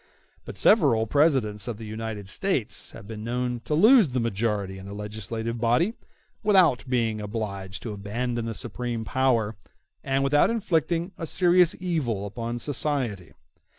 But several Presidents of the United States have been known to lose the majority in the legislative body without being obliged to abandon the supreme power, and without inflicting a serious evil upon society.